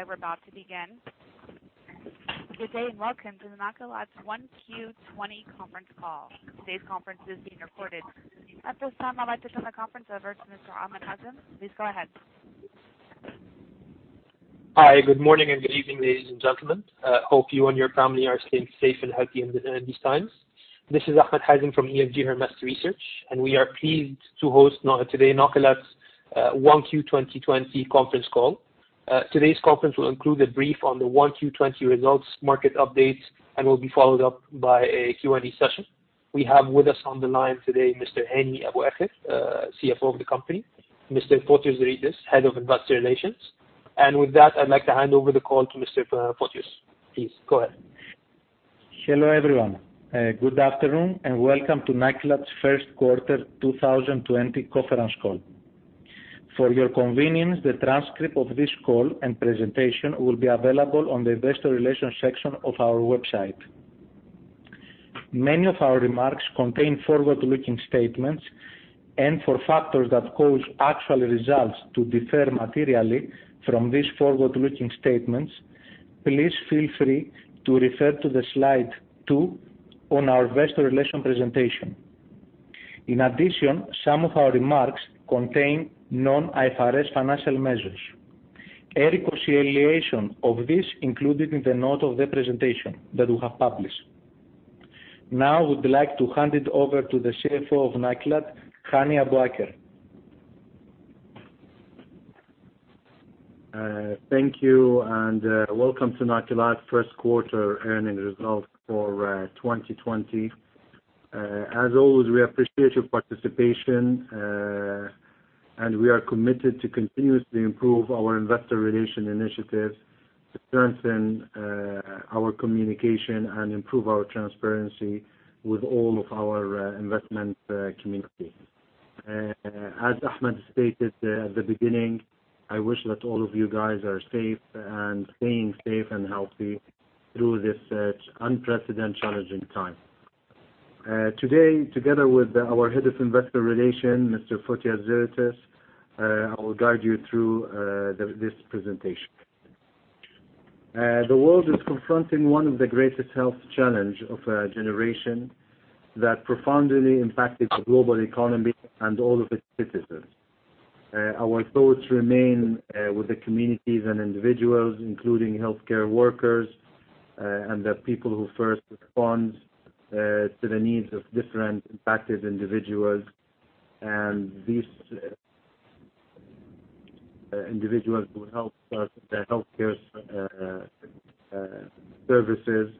Please stand by. We're about to begin. Good day, welcome to Nakilat's 1Q20 conference call. Today's conference is being recorded. At this time, I'd like to turn the conference over to Mr. Ahmed Hazem. Please go ahead. Hi. Good morning and good evening, ladies and gentlemen. Hope you and your family are staying safe and healthy in these times. This is Ahmed Hazem from EFG Hermes Research, we are pleased to host today Nakilat's 1Q2020 conference call. Today's conference will include a brief on the 1Q20 results, market updates, and will be followed up by a Q&A session. We have with us on the line today, Mr. Hani Abuaker, CFO of the company, Mr. Fotios Zeritis, Head of Investor Relations. With that, I'd like to hand over the call to Mr. Fotios. Please go ahead. Hello, everyone. Good afternoon, and welcome to Nakilat's first quarter 2020 conference call. For your convenience, the transcript of this call and presentation will be available on the investor relations section of our website. Many of our remarks contain forward-looking statements. For factors that cause actual results to differ materially from these forward-looking statements, please feel free to refer to the Slide two on our investor relations presentation. In addition, some of our remarks contain non-IFRS financial measures. Every reconciliation of this included in the note of the presentation that we have published. I would like to hand it over to the CFO of Nakilat, Hani Abuaker. Thank you, and welcome to Nakilat first quarter earnings results for 2020. As always, we appreciate your participation, and we are committed to continuously improve our investor relations initiatives to strengthen our communication and improve our transparency with all of our investment community. As Ahmed stated at the beginning, I wish that all of you guys are safe and staying safe and healthy through this unprecedented challenging time. Today, together with our Head of Investor Relations, Mr. Fotios Zeritis, I will guide you through this presentation. The world is confronting one of the greatest health challenge of a generation that profoundly impacted the global economy and all of its citizens. Our thoughts remain with the communities and individuals, including healthcare workers, and the people who first respond to the needs of different impacted individuals and these individuals who help the healthcare services.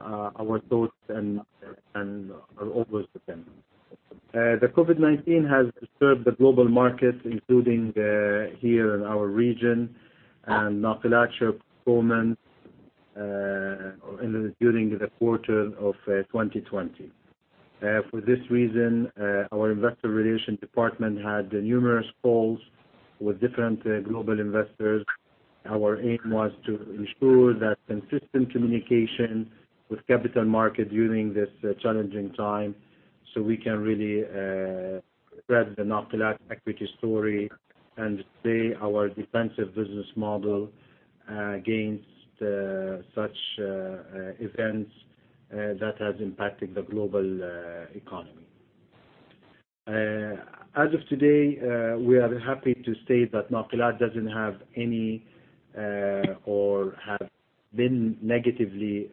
Our thoughts are always with them. COVID-19 has disturbed the global market, including here in our region, and Nakilat's performance during the quarter of 2020. For this reason, our Investor Relations department had numerous calls with different global investors. Our aim was to ensure that consistent communication with the capital market during this challenging time, so we can really spread the Nakilat equity story and display our defensive business model against such events that have impacted the global economy. As of today, we are happy to state that Nakilat doesn't have any, or has been negatively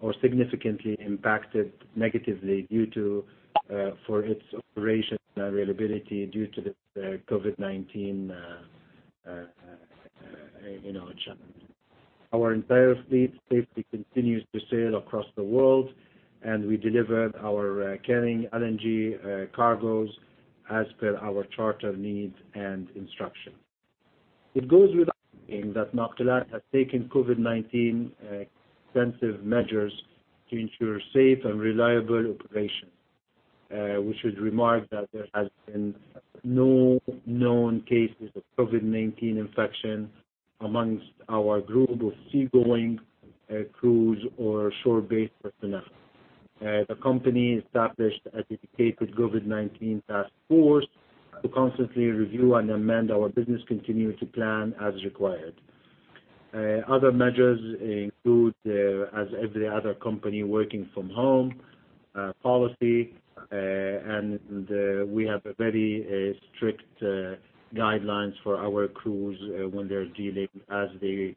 or significantly impacted for its operation availability due to the COVID-19 challenge. Our entire fleet safely continues to sail across the world, and we delivered our carrying LNG cargoes as per our charter needs and instructions. It goes without saying that Nakilat has taken COVID-19 extensive measures to ensure safe and reliable operation. We should remark that there has been no known cases of COVID-19 infection amongst our group of seagoing crews or shore-based personnel. The company established a dedicated COVID-19 task force to constantly review and amend our business continuity plan as required. Other measures include, as every other company, working from home policy, and we have very strict guidelines for our crews when they're dealing as they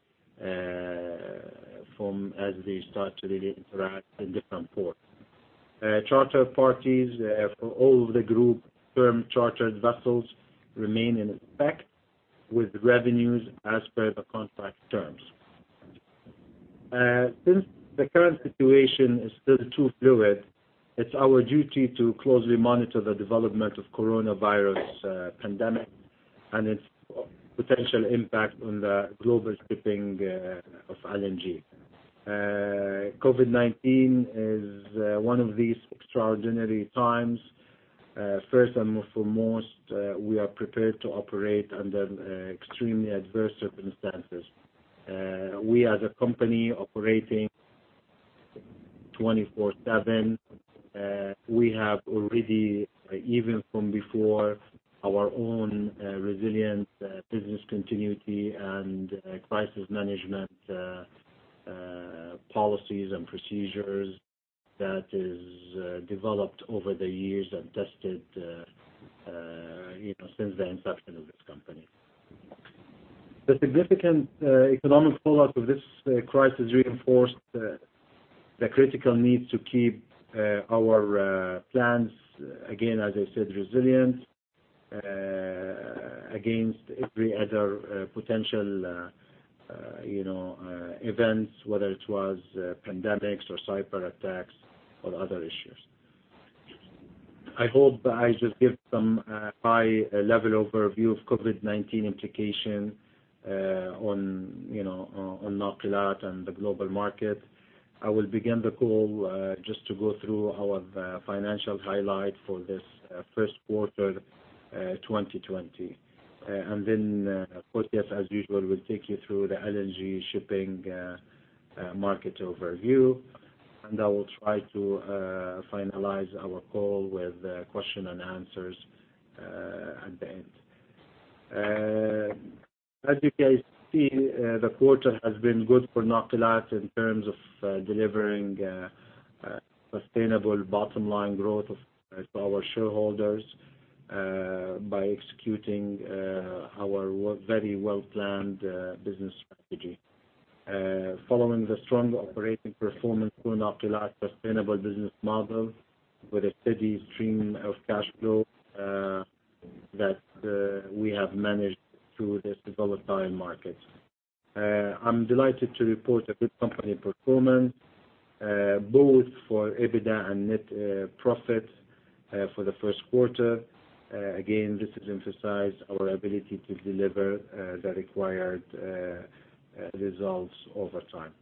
start to really interact in different ports. Charter parties for all the group's firm chartered vessels remain in effect with revenues as per the contract terms. Since the current situation is still too fluid, it's our duty to closely monitor the development of the coronavirus pandemic and its potential impact on the global shipping of LNG. COVID-19 is one of these extraordinary times. First and foremost, we are prepared to operate under extremely adverse circumstances. We, as a company, operate 24/7. We have already, even from before, our own resilient business continuity and crisis management policies and procedures that have been developed over the years and tested since the inception of this company. The significant economic fallout of this crisis reinforced the critical need to keep our plans, again, as I said, resilient against every other potential event, whether it was pandemics or cyber attacks or other issues. I hope I just gave some high-level overview of COVID-19 implication on Nakilat and the global market. I will begin the call just to go through our financial highlights for this first quarter 2020. Then, Fotios, as usual, will take you through the LNG shipping market overview, and I will try to finalize our call with question and answers at the end. As you guys see, the quarter has been good for Nakilat in terms of delivering sustainable bottom-line growth to our shareholders by executing our very well-planned business strategy. Following the strong operating performance for Nakilat's sustainable business model with a steady stream of cash flow that we have managed through this volatile market. I'm delighted to report a good company performance, both for EBITDA and net profit for the first quarter. Again, this emphasizes our ability to deliver the required results over time.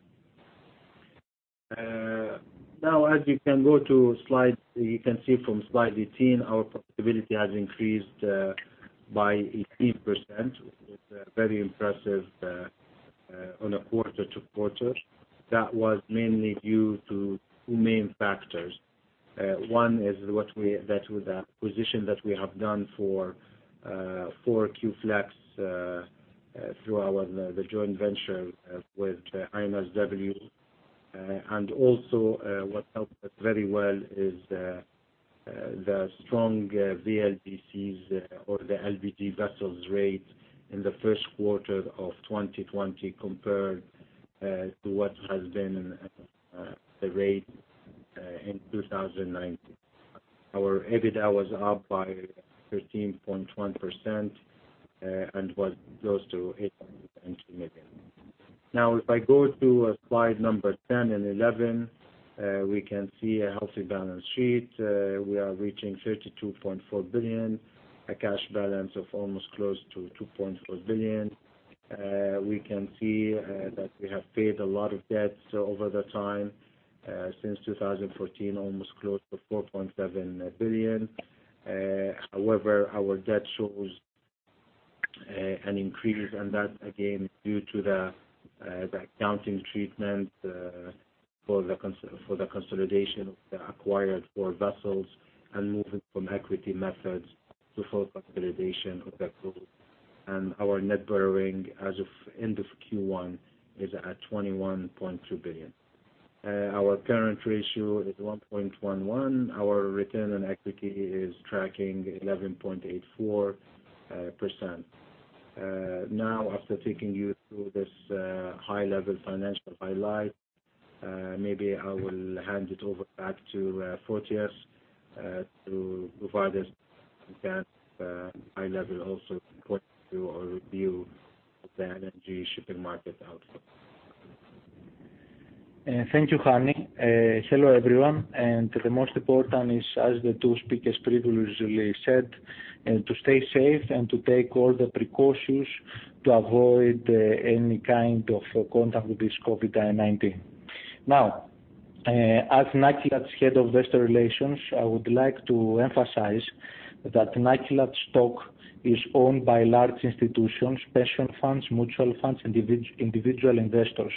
As you can see from slide 18, our profitability has increased by 18%, with a very impressive quarter-to-quarter. That was mainly due to two main factors. One is that with the acquisition that we have done for four Q-Flex through the joint venture with INSW. What helped us very well is the strong VLGCs or the LPG vessels rates in the first quarter of 2020 compared to what has been the rate in 2019. Our EBITDA was up by 13.1% and was close to 819 million. If I go to slide number 10 and 11, we can see a healthy balance sheet. We are reaching 32.4 billion, a cash balance of almost close to 2.4 billion. We can see that we have paid a lot of debts over the time, since 2014, almost close to 4.7 billion. However, our debt shows an increase, and that, again, is due to the accounting treatment for the consolidation of the acquired four vessels and moving from equity methods to full consolidation of that group. Our net borrowing as of end of Q1 is at 21.2 billion. Our current ratio is 1.11. Our return on equity is tracking 11.84%. After taking you through this high-level financial highlight, maybe I will hand it over back to Fotios to provide us with that high-level also point of view or review of the LNG shipping market outlook. Thank you, Hani. Hello, everyone. The most important is, as the two speakers previously said, to stay safe and to take all the precautions to avoid any kind of contact with this COVID-19. As Nakilat's Head of Investor Relations, I would like to emphasize that Nakilat stock is owned by large institutions, pension funds, mutual funds, individual investors.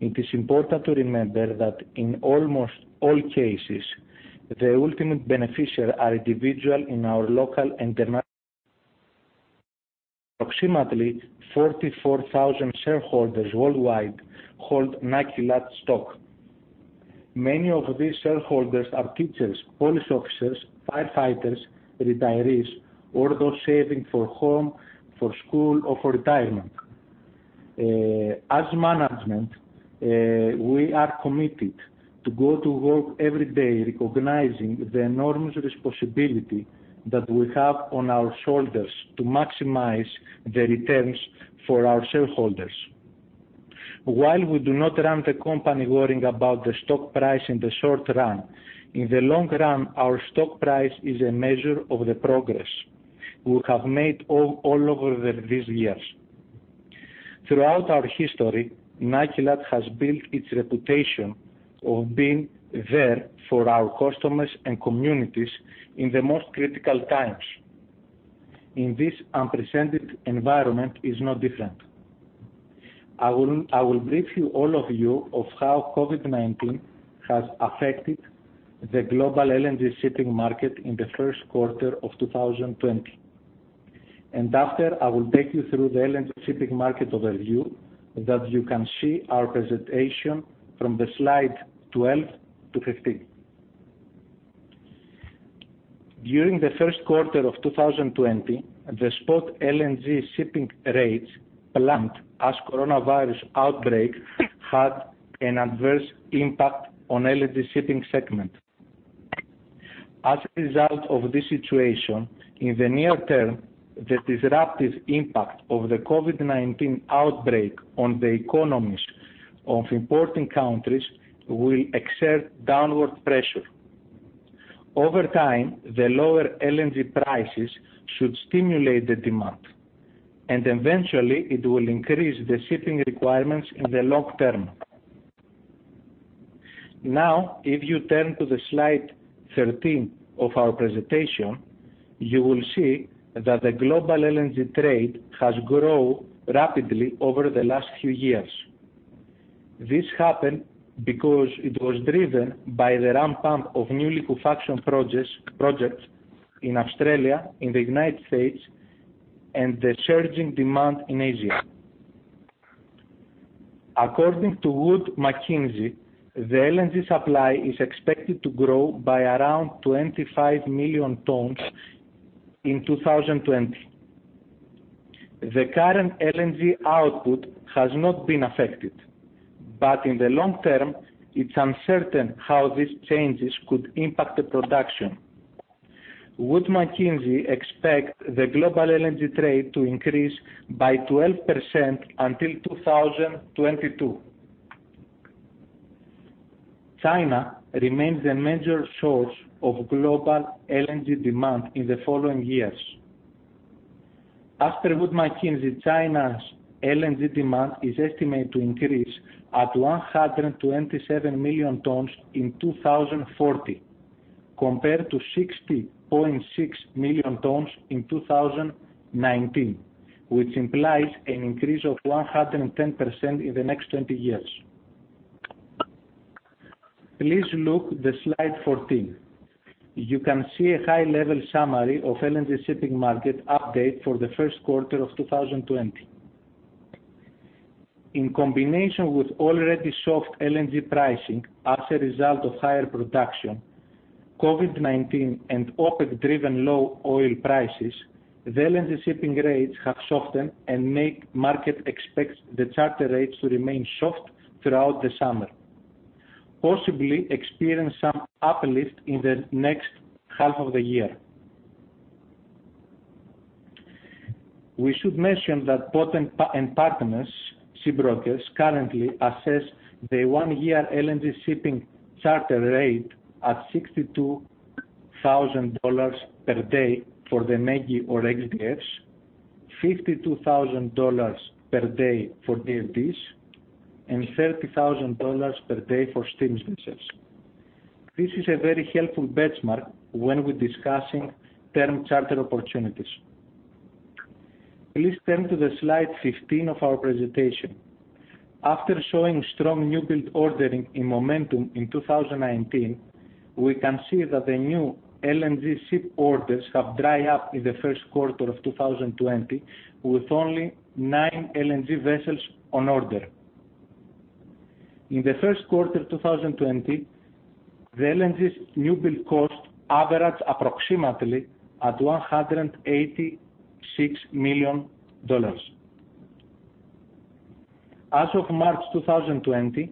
It is important to remember that in almost all cases, the ultimate beneficiary are individual in our local international. Approximately 44,000 shareholders worldwide hold Nakilat stock. Many of these shareholders are teachers, police officers, firefighters, retirees, or those saving for home, for school, or for retirement. As management, we are committed to go to work every day recognizing the enormous responsibility that we have on our shoulders to maximize the returns for our shareholders. While we do not run the company worrying about the stock price in the short run, in the long run, our stock price is a measure of the progress we have made all over these years. Throughout our history, Nakilat has built its reputation of being there for our customers and communities in the most critical times. In this unprecedented environment is no different. I will brief you, all of you, of how COVID-19 has affected the global LNG shipping market in the first quarter of 2020. After, I will take you through the LNG shipping market overview that you can see our presentation from the slide 12 to 15. During the first quarter of 2020, the spot LNG shipping rates plummet as coronavirus outbreak had an adverse impact on LNG shipping segment. As a result of this situation, in the near term, the disruptive impact of the COVID-19 outbreak on the economies of importing countries will exert downward pressure. Over time, the lower LNG prices should stimulate the demand, and eventually it will increase the shipping requirements in the long term. If you turn to slide 13 of our presentation, you will see that the global LNG trade has grown rapidly over the last few years. This happened because it was driven by the ramp up of new liquefaction projects in Australia, in the United States, and the surging demand in Asia. According to Wood Mackenzie, the LNG supply is expected to grow by around 25 million tons in 2020. The current LNG output has not been affected, but in the long term, it's uncertain how these changes could impact the production. Wood Mackenzie expect the global LNG trade to increase by 12% until 2022. China remains a major source of global LNG demand in the following years. As per Wood Mackenzie, China's LNG demand is estimated to increase at 127 million tons in 2040, compared to 60.6 million tons in 2019, which implies an increase of 110% in the next 20 years. Please look the slide 14. You can see a high-level summary of LNG shipping market update for the first quarter of 2020. In combination with already soft LNG pricing as a result of higher production, COVID-19 and OPEC-driven low oil prices, the LNG shipping rates have softened and make market expect the charter rates to remain soft throughout the summer. Possibly experience some uplift in the next half of the year. We should mention that Poten & Partners, shipbrokers, currently assess the one-year LNG shipping charter rate at QAR 62,000 per day for the MEGI or X-DFs, QAR 52,000 per day for DFDEs, and QAR 30,000 per day for steamships vessels. This is a very helpful benchmark when we're discussing term charter opportunities. Please turn to slide 15 of our presentation. After showing strong newbuild ordering in momentum in 2019, we can see that the new LNG ship orders have dry up in the first quarter of 2020, with only nine LNG vessels on order. In the first quarter 2020, the LNGs newbuild cost average approximately at QAR 186 million. As of March 2020,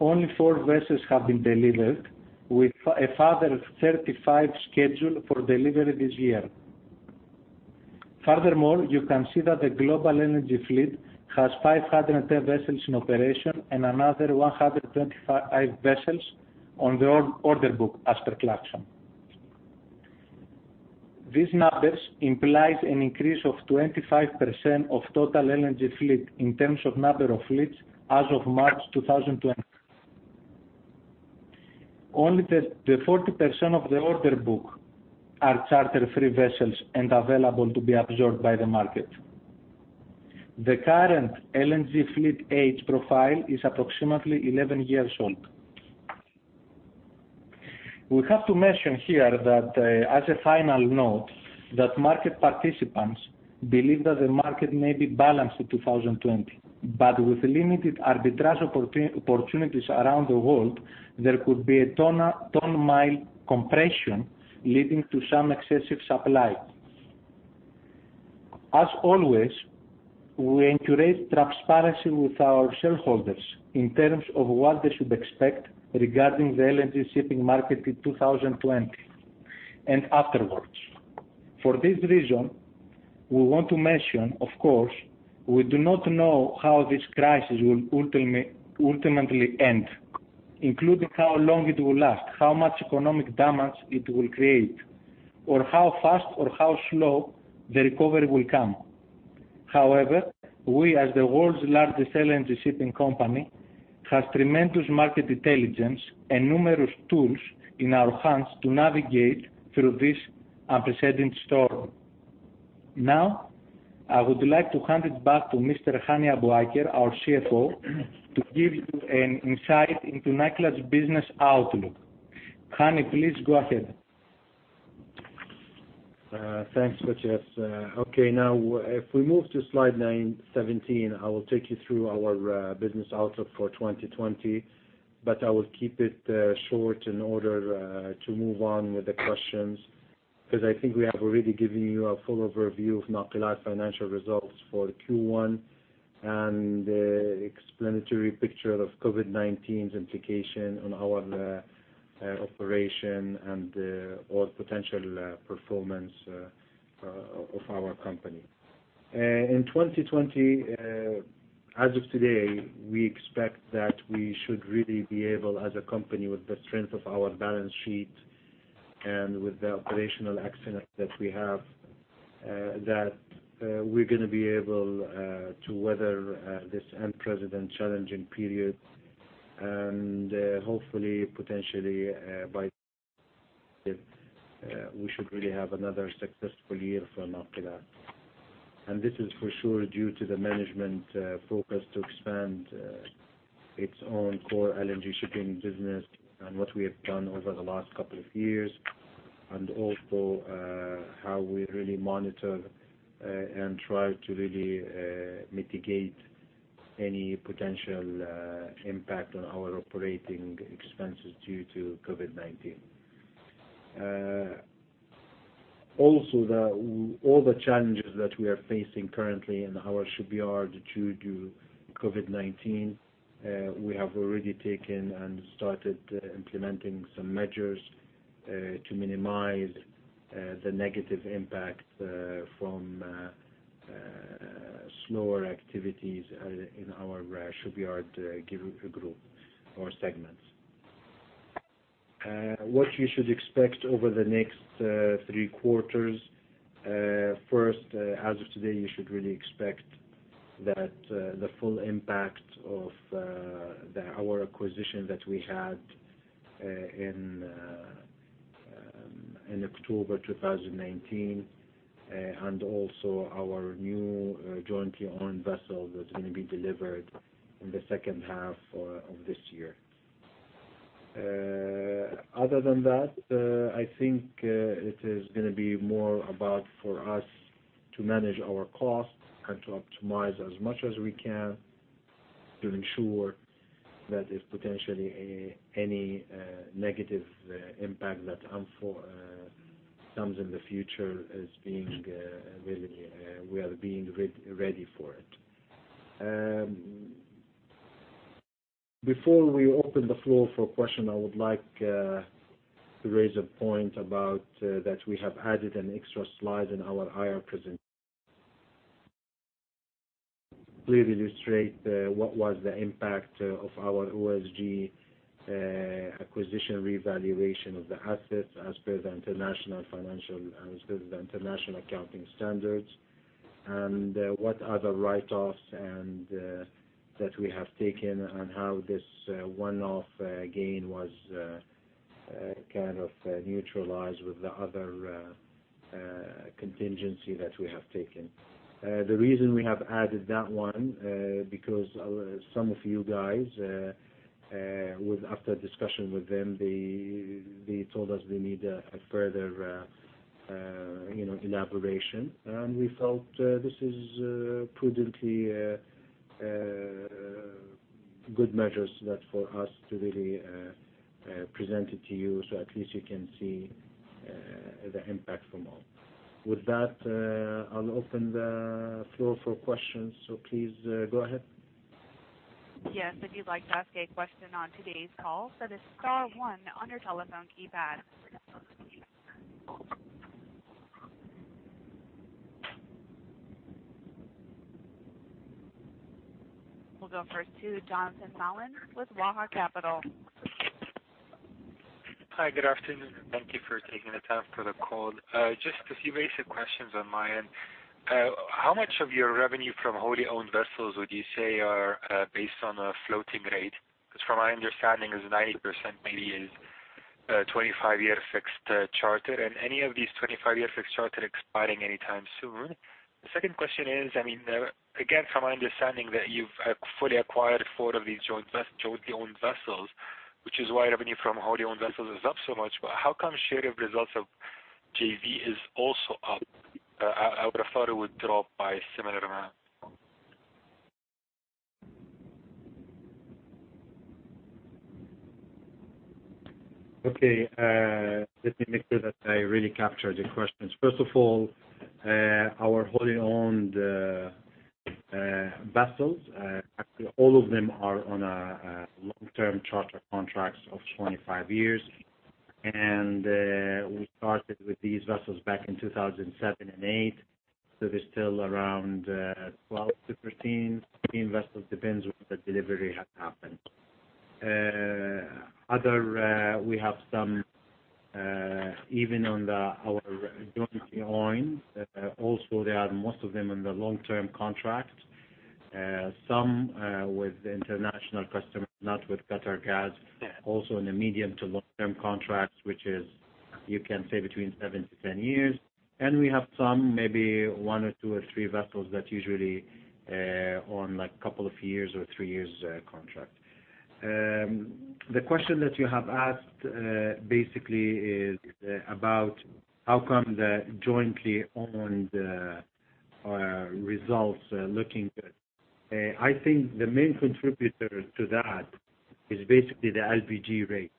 only four vessels have been delivered, with a further 35 scheduled for delivery this year. Furthermore, you can see that the global energy fleet has 510 vessels in operation and another 125 vessels on the order book as per Clarksons. These numbers implies an increase of 25% of total LNG fleet in terms of number of fleets as of March 2020. Only the 40% of the order book are charter-free vessels and available to be absorbed by the market. The current LNG fleet age profile is approximately 11 years old. We have to mention here that, as a final note, that market participants believe that the market may be balanced in 2020. With limited arbitrage opportunities around the world, there could be a ton-mile compression, leading to some excessive supply. As always, we encourage transparency with our shareholders in terms of what they should expect regarding the LNG shipping market in 2020 and afterwards. For this reason, we want to mention, of course, we do not know how this crisis will ultimately end, including how long it will last, how much economic damage it will create how fast or how slow the recovery will come. However, we, as the world's largest LNG shipping company, has tremendous market intelligence and numerous tools in our hands to navigate through this unprecedented storm. I would like to hand it back to Mr. Hani Abuaker, our CFO, to give you an insight into Nakilat's business outlook. Hani, please go ahead. Thanks, Sotiris. If we move to slide 17, I will take you through our business outlook for 2020. I will keep it short in order to move on with the questions, because I think we have already given you a full overview of Nakilat financial results for Q1, and the explanatory picture of COVID-19's implication on our operation and the potential performance of our company. In 2020, as of today, we expect that we should really be able, as a company, with the strength of our balance sheet and with the operational excellence that we have, that we're going to be able to weather this unprecedented challenging period. Hopefully, potentially, by we should really have another successful year for Nakilat. This is for sure due to the management focus to expand its own core LNG shipping business and what we have done over the last couple of years, also how we really monitor and try to really mitigate any potential impact on our operating expenses due to COVID-19. Also, all the challenges that we are facing currently in our shipyard due to COVID-19, we have already taken and started implementing some measures to minimize the negative impact from slower activities in our shipyard group or segments. What you should expect over the next three quarters. First, as of today, you should really expect that the full impact of our acquisition that we had in October 2019, also our new jointly owned vessel that's going to be delivered in the second half of this year. Other than that, I think it is going to be more about, for us, to manage our costs and to optimize as much as we can to ensure that if potentially any negative impact that comes in the future, we are being ready for it. Before we open the floor for question, I would like to raise a point about that we have added an extra slide in our IR presentation. Please illustrate what was the impact of our OSG acquisition revaluation of the assets as per the International Accounting Standards. What are the write-offs that we have taken, and how this one-off gain was neutralized with the other contingency that we have taken. The reason we have added that one, because some of you guys, after discussion with them, they told us they need a further elaboration. We felt this is prudently good measures that for us to really present it to you so at least you can see the impact from all. With that, I'll open the floor for questions. Please, go ahead. Yes, if you'd like to ask a question on today's call, select star one on your telephone keypad. We'll go first to Jonathan Mallin with Waha Capital. Hi, good afternoon and thank you for taking the time for the call. Just a few basic questions on my end. How much of your revenue from wholly owned vessels would you say are based on a floating rate? Because from my understanding, is 90% maybe is 25-year fixed charter. Any of these 25-year fixed charter expiring anytime soon? The second question is, again, from my understanding that you've fully acquired four of these jointly owned vessels, which is why revenue from wholly owned vessels is up so much. How come share of results of JV is also up? I would have thought it would drop by a similar amount. Okay. Let me make sure that I really capture the questions. First of all, our wholly owned vessels, actually all of them are on long-term charter contracts of 25 years. We started with these vessels back in 2007 and 1988, so there's still around 12 to 15 vessels, depends when the delivery had happened. Other, we have some, even on our jointly owned. They are, most of them, in the long-term contract. Some with international customers, not with QatarEnergy LNG. In the medium to long-term contracts, which is, you can say between 7-10 years. We have some, maybe one or two or three vessels that usually on a couple of years or three years contract. The question that you have asked basically is about how come the jointly owned results are looking good. I think the main contributor to that is basically the LPG rate.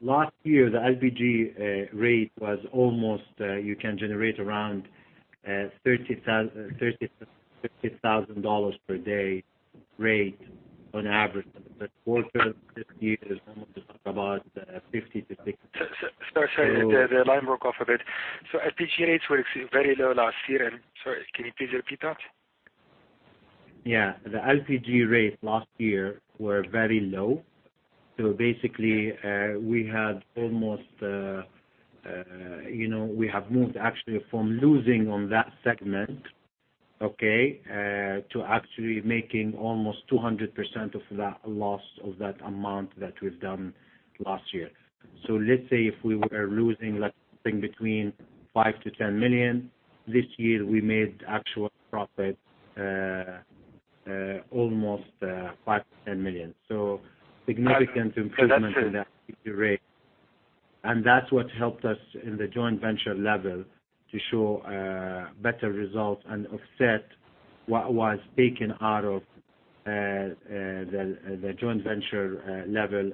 Last year, the LPG rate was almost, you can generate around $30,000-$50,000 per day rate on average. Quarter of this year, it is almost about $50,000-$60,000. Sorry. The line broke off a bit. LPG rates were very low last year and, sorry, can you please repeat that? Yeah. The LPG rates last year were very low. Basically, we have moved actually from losing on that segment, okay, to actually making almost 200% of that loss of that amount that we've done last year. Let's say if we were losing something between 5 million-10 million, this year, we made actual profit, almost QAR 5 million-QAR 10 million. Significant improvement in the LPG rate. That's what helped us in the joint venture level to show better results and offset what was taken out of the joint venture level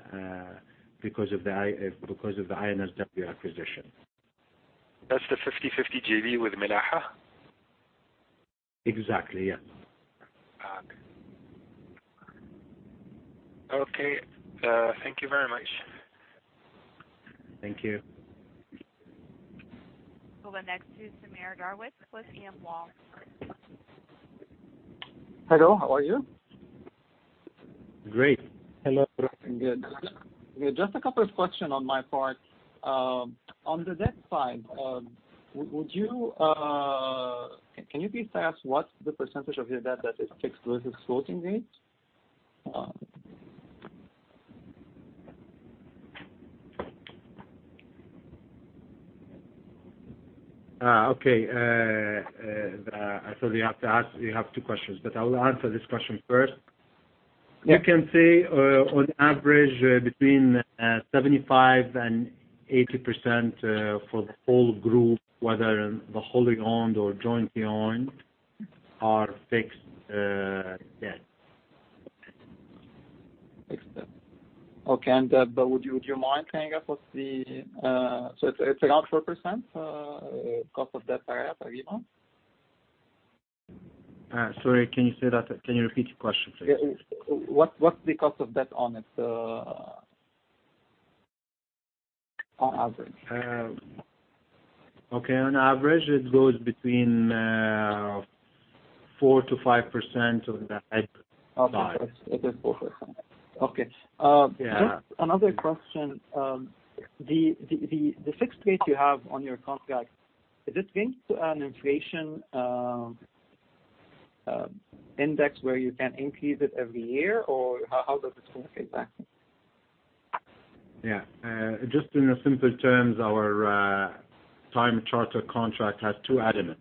because of the INSW acquisition. That's the 50/50 JV with Milaha? Exactly, yes. Okay. Thank you very much. Thank you. We'll go next to Samir Darwish with E.M. Law. Hello. How are you? Great. Hello. Good. Just a couple of questions on my part. On the debt side, can you please tell us what the % of your debt that is fixed versus floating rate? Okay. I thought you have two questions, but I will answer this question first. Yeah. You can say, on average, between 75% and 80% for the whole group, whether the wholly owned or jointly owned, are fixed debt. Fixed debt. Okay. Would you mind hanging up? It's around 4% cost of debt IRR per year? Sorry, can you say that again? Can you repeat your question, please? What's the cost of debt on it on average? Okay. On average, it goes between 4%-5% of that size. Okay. Just another question. The fixed rates you have on your contract, is it linked to an inflation index where you can increase it every year? How does this work exactly? Yeah. Just in simple terms, our time charter contract has two elements. Okay.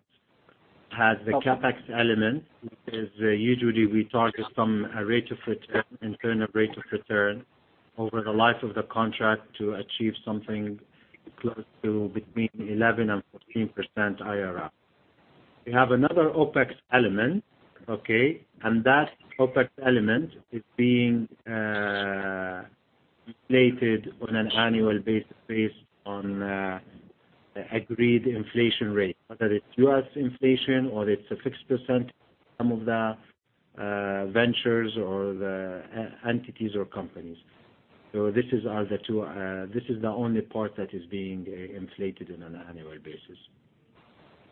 It has the CapEx element, which is usually we target some rate of return, internal rate of return, over the life of the contract to achieve something close to between 11% and 14% IRR. We have another OpEx element. Okay? That OpEx element is being inflated on an annual basis based on the agreed inflation rate, whether it's U.S. inflation or it's a fixed %, some of the ventures or the entities or companies. This is the only part that is being inflated on an annual basis.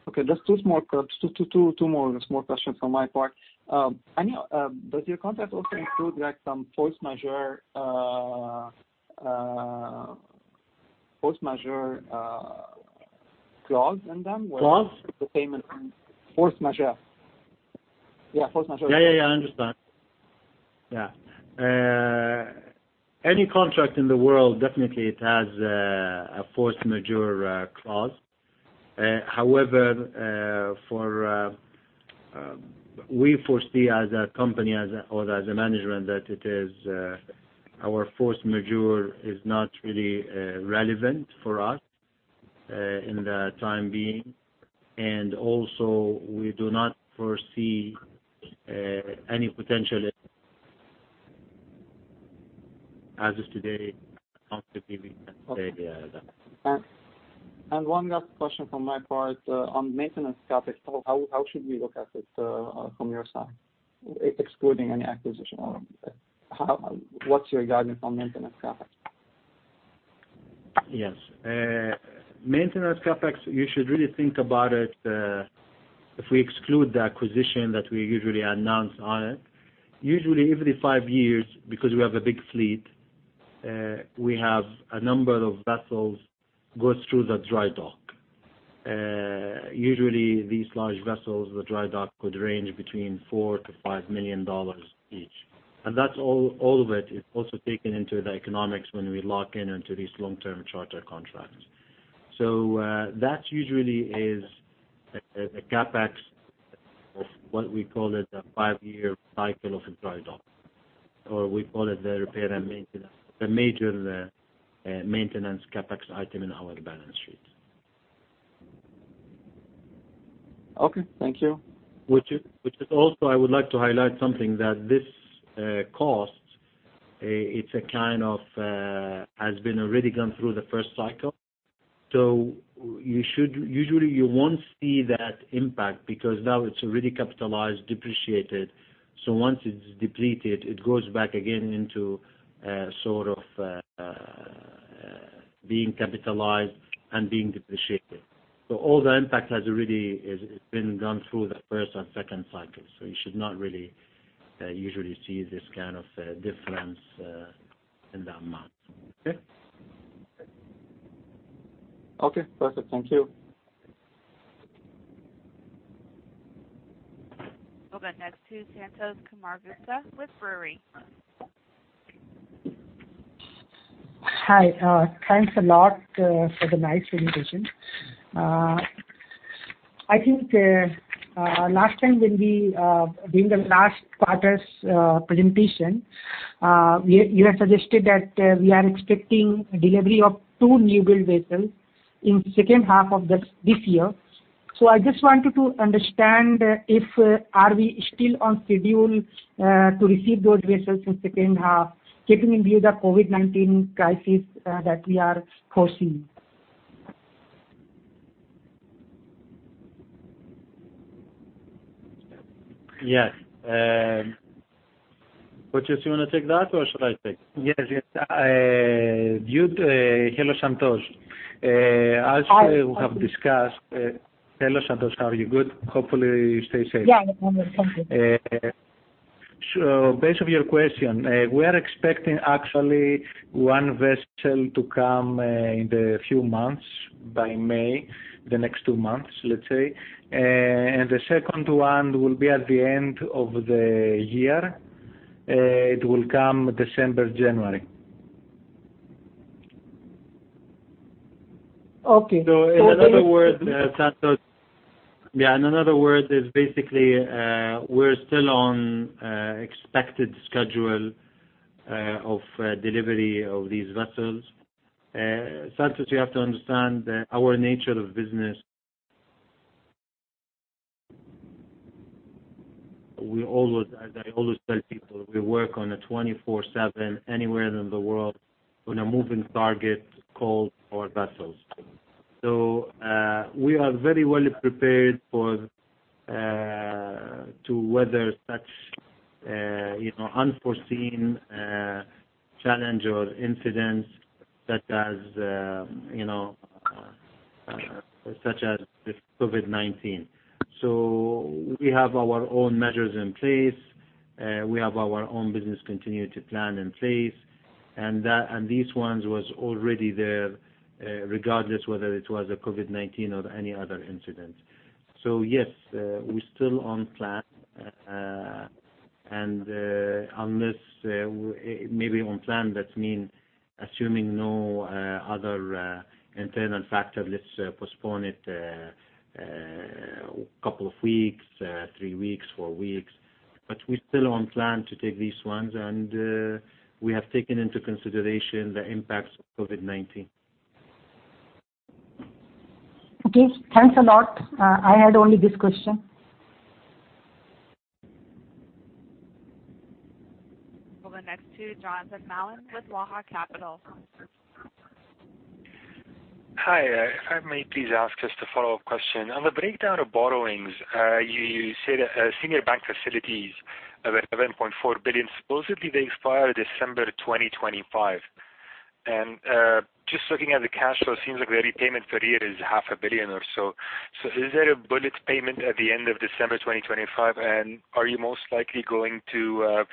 Okay. Just two more questions on my part. Does your contract also include some force majeure clause in them where- Clause? -the payment. Force majeure. Yeah, force majeure. Yeah. I understand. Yeah. Any contract in the world, definitely it has a force majeure clause. However, we foresee as a company or as a management that our force majeure is not really relevant for us in the time being. Also, we do not foresee any potential as is today, constantly we can say that. One last question from my part. On maintenance CapEx, how should we look at it from your side, excluding any acquisition or anything? What's your guidance on maintenance CapEx? Yes. Maintenance CapEx, you should really think about it, if we exclude the acquisition that we usually announce on it. Usually every five years, because we have a big fleet, we have a number of vessels go through the dry dock. Usually these large vessels, the dry dock would range between QAR 4 million-QAR 5 million each. That's all of it also taken into the economics when we lock in into these long-term charter contracts. That usually is the CapEx of what we call it a five-year cycle of a dry dock, or we call it the repair and maintenance, the major maintenance CapEx item in our balance sheet. Okay. Thank you. Which is also, I would like to highlight something that this cost, it has been already gone through the first cycle. Usually, you won't see that impact because now it's already capitalized, depreciated. Once it's depleted, it goes back again into sort of being capitalized and being depreciated. All the impact has already been gone through the first and second cycles. You should not really usually see this kind of difference in the amount. Okay. Okay. Perfect. Thank you. We'll go next to Santosh Gupta with Drewry. Hi. Thanks a lot for the nice presentation. I think during the last quarter's presentation, you had suggested that we are expecting delivery of two new build vessels in second half of this year. I just wanted to understand if are we still on schedule to receive those vessels in second half, keeping in view the COVID-19 crisis that we are facing. Yes. Voutsis, you want to take that or should I take? Yes. Hello, Santosh. Hi. As we have discussed Hello, Santosh. How are you? Good? Hopefully you stay safe. Yeah. I'm good, thank you. Based off your question, we are expecting actually one vessel to come in the few months, by May, the next two months, let's say. The second one will be at the end of the year. It will come December, January. Okay. In other words, is basically, we're still on expected schedule of delivery of these vessels. Santosh, you have to understand our nature of business. As I always tell people, we work on a 24/7, anywhere in the world, on a moving target called our vessels. We are very well prepared to weather such unforeseen challenge or incidents such as the COVID-19. We have our own measures in place. We have our own business continuity plan in place, and these ones was already there, regardless whether it was a COVID-19 or any other incident. Yes, we're still on plan. Unless, maybe on plan, that means assuming no other internal factor, let's postpone it, couple of weeks, three weeks, four weeks. We're still on plan to take these ones, and we have taken into consideration the impacts of COVID-19. Okay. Thanks a lot. I had only this question. We'll go next to Jonathan Mallin with Waha Capital. Hi. If I may please ask just a follow-up question. On the breakdown of borrowings, you said senior bank facilities of 11.4 billion, supposedly they expire December 2025. Just looking at the cash flow, it seems like the repayment per year is half a billion QAR or so. Is there a bullet payment at the end of December 2025? Are you most likely going to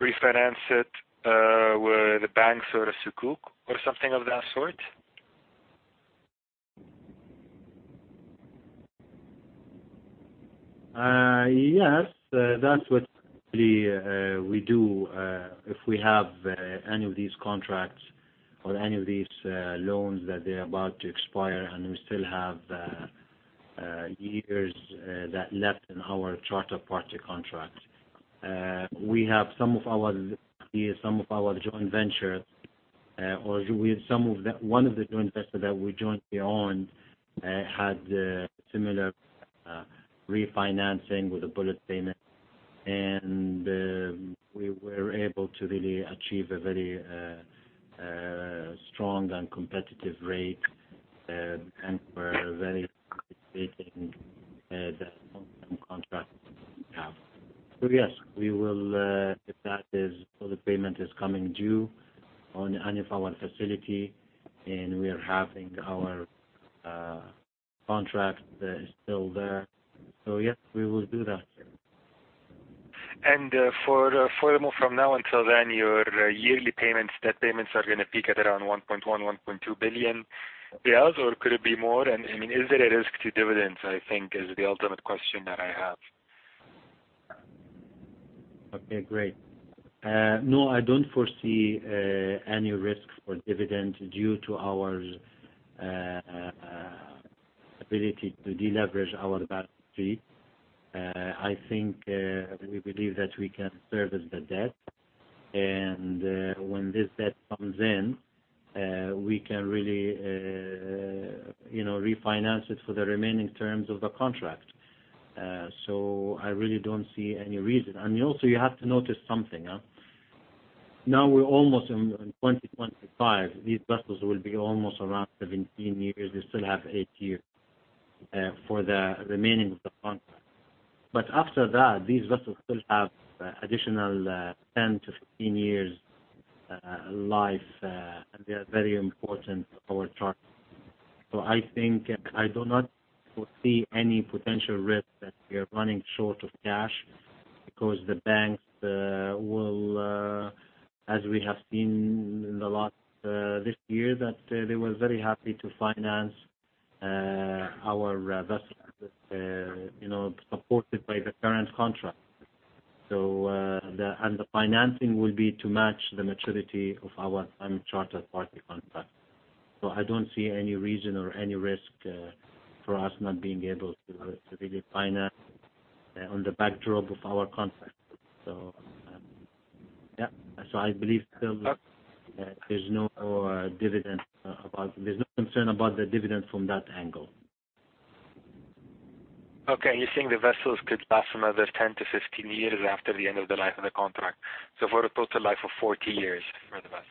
refinance it with the banks or a sukuk or something of that sort? Yes. That's what usually we do, if we have any of these contracts or any of these loans that they're about to expire, and we still have years that left in our charter party contract. We have some of our joint venture, or one of the joint venture that we jointly own, had similar refinancing with a bullet payment, and we were able to really achieve a very strong and competitive rate by participating in the contract we have. If that payment is coming due on any of our facility and we are having our contract that is still there. Yes, we will do that. Furthermore, from now until then, your yearly debt payments are going to peak at around 1.1 billion, 1.2 billion. The other, could it be more? Is there a risk to dividends, I think, is the ultimate question that I have. Okay, great. No, I don't foresee any risk for dividend due to our ability to deleverage our balance sheet. I think we believe that we can service the debt, and when this debt comes in, we can really refinance it for the remaining terms of the contract. I really don't see any reason. Also you have to notice something. Now we're almost in 2025. These vessels will be almost around 17 years. They still have eight years for the remaining of the contract. After that, these vessels still have additional 10-15 years life, and they are very important for our chart. I do not foresee any potential risk that we are running short of cash because the banks will, as we have seen a lot this year, that they were very happy to finance our vessels, supported by the current contract. The financing will be to match the maturity of our time charter party contract. I don't see any reason or any risk for us not being able to really finance on the backdrop of our contract. I believe there's no concern about the dividend from that angle. Okay. You're saying the vessels could last another 10-15 years after the end of the life of the contract. For a total life of 40 years for the vessel.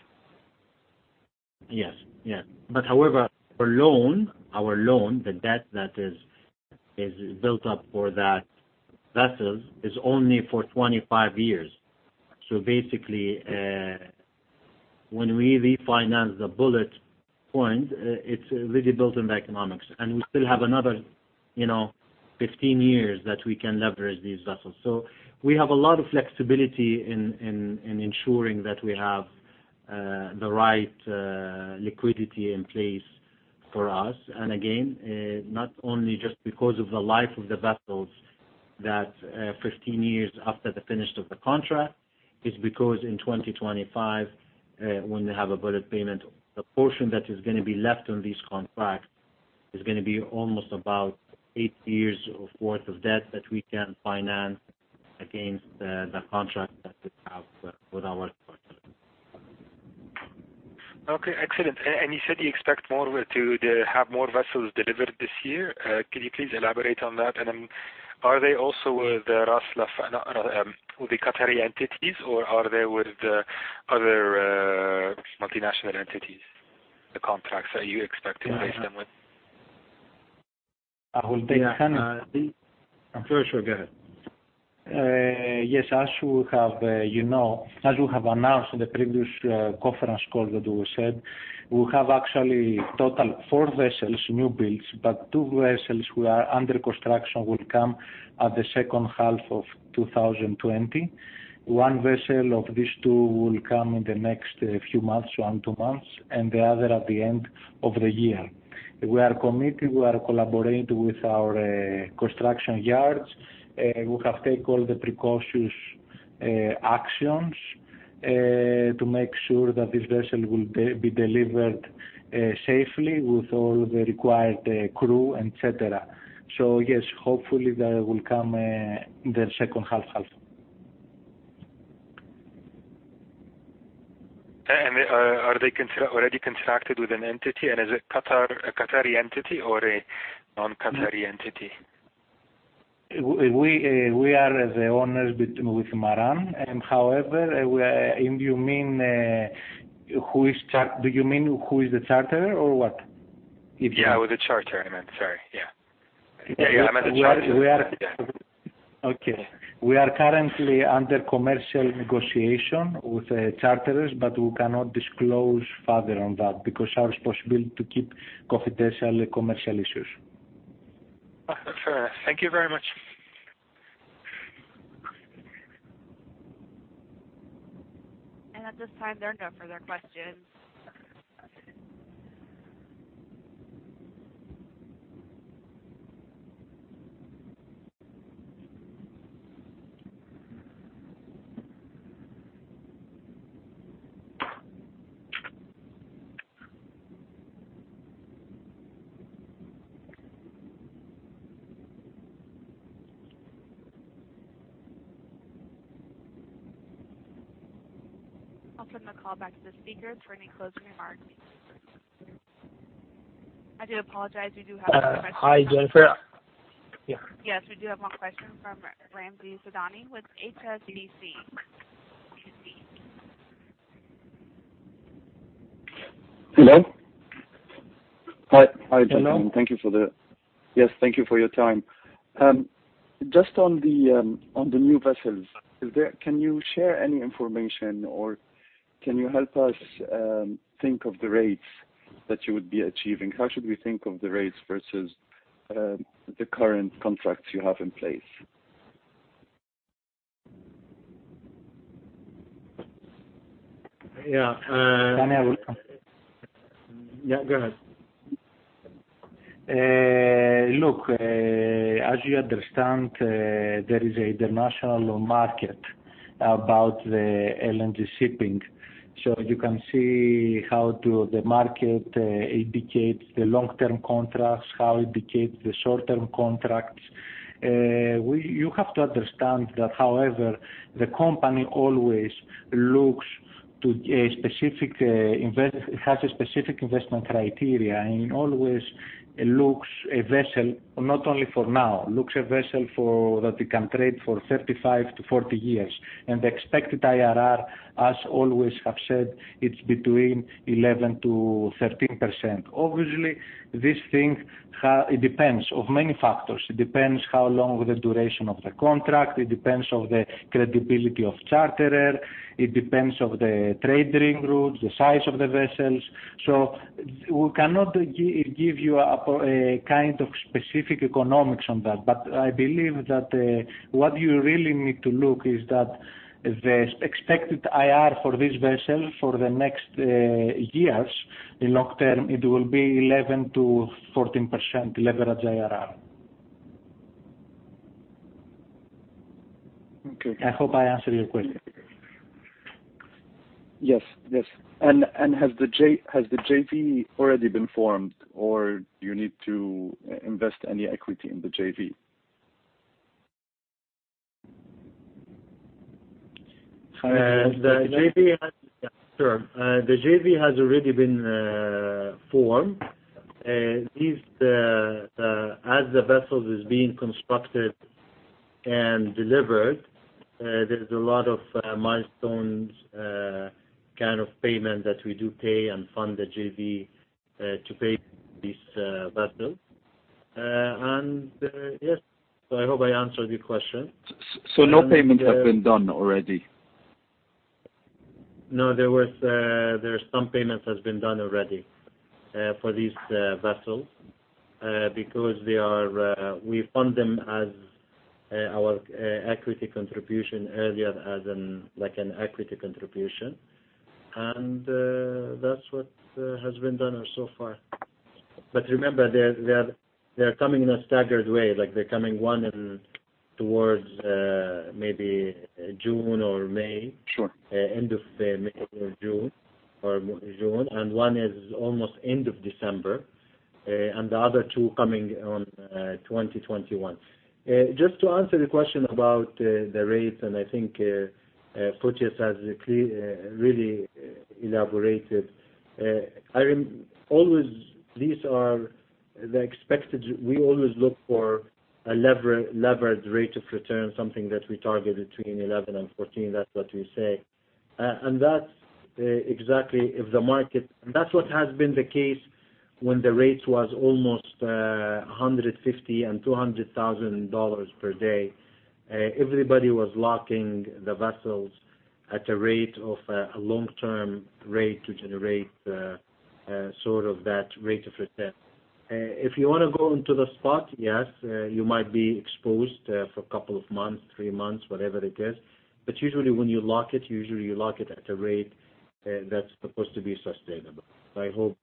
Yes. However, our loan, the debt that is built up for that vessels, is only for 25 years. Basically, when we refinance the bullet point, it's really built in the economics, and we still have another 15 years that we can leverage these vessels. We have a lot of flexibility in ensuring that we have the right liquidity in place for us, and again, not only just because of the life of the vessels, that 15 years after the finish of the contract, it's because in 2025, when they have a bullet payment, the portion that is going to be left on this contract is going to be almost about eight years worth of debt that we can finance against the contract that we have with our partner. Okay, excellent. You said you expect to have more vessels delivered this year. Can you please elaborate on that? Are they also with Qatari entities, or are they with other multinational entities, the contracts that you expect to place them with? I will take that. Sure. Go ahead. Yes. As you know, as we have announced in the previous conference call, we have actually total four vessels, new builds, but two vessels who are under construction will come at the second half of 2020. One vessel of these two will come in the next few months, one, two months, and the other at the end of the year. We are committed. We are collaborating with our construction yards. We have take all the precautionary actions to make sure that this vessel will be delivered safely with all the required crew, et cetera. Yes, hopefully, they will come in the second half. Are they already contracted with an entity, and is it a Qatari entity or a non-Qatari entity? We are the owners with Maran. Do you mean who is the charterer, or what? Yeah, with the charterer, I meant. Sorry. Yeah. I meant the charterer. Okay. We are currently under commercial negotiation with charterers, we cannot disclose further on that because our responsibility to keep confidential commercial issues. Sure. Thank you very much. At this time, there are no further questions. I'll turn the call back to the speakers for any closing remarks. I do apologize, we do have one question. Hi, Jennifer. Yeah. Yes, we do have one question from Ramzi Sidani with HSBC. Hello? Hi. Hi, gentlemen. Hello. Thank you for your time. Just on the new vessels, can you share any information, or can you help us think of the rates that you would be achieving? How should we think of the rates versus the current contracts you have in place? Yeah. Daniel? Yeah, go ahead. Look, as you understand, there is an international market about the LNG shipping. You can see how the market indicates the long-term contracts, how it indicates the short-term contracts. You have to understand that, however, the company always looks to a specific invest. It has a specific investment criteria, and it always looks a vessel not only for now, looks a vessel that it can trade for 35-40 years. And the expected IRR, as always, have said, it's between 11%-13%. Obviously, this thing, it depends on many factors. It depends how long the duration of the contract, it depends on the credibility of charterer, it depends on the trading route, the size of the vessels. We cannot give you a kind of specific economics on that. I believe that what you really need to look is that the expected IRR for this vessel for the next years, in long term, it will be 11%-14% leverage IRR. Okay. I hope I answered your question. Yes. Has the JV already been formed, or do you need to invest any equity in the JV? The JV has already been formed. As the vessel is being constructed and delivered, there's a lot of milestones, kind of payment that we do pay and fund the JV to pay these vessels. Yes, I hope I answered your question. No payments have been done already? No, there are some payments that have been done already for these vessels, because we fund them as our equity contribution earlier as an equity contribution. That's what has been done so far. Remember, they are coming in a staggered way. They're coming one in towards maybe June or May. Sure. End of May or June. One is almost end of December, and the other two coming on 2021. To answer the question about the rates, I think Fotios has really elaborated. We always look for a leveraged rate of return, something that we target between 11 and 14. That's what we say. That's what has been the case when the rates were almost $150,000 and $200,000 per day. Everybody was locking the vessels at a rate of a long-term rate to generate sort of that rate of return. If you want to go into the spot, yes, you might be exposed for a couple of months, three months, whatever it is. Usually, when you lock it, usually, you lock it at a rate that's supposed to be sustainable. I hope